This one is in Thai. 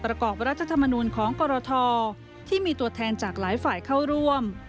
ประกอบรัฐธรรมนูลของกรทที่มีตัวแทนจากหลายฝ่ายเข้าร่วม